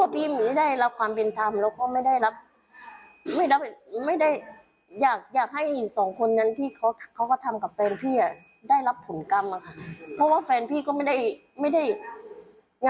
เพราะว่าพี่มีไม่ได้รับความเป็นธรรมแล้ว